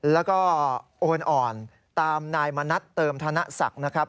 แล้วก็โอนอ่อนตามนายมณัฐเติมธนศักดิ์นะครับ